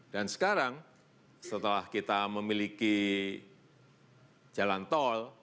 dan sekarang setelah kita memiliki jalan tol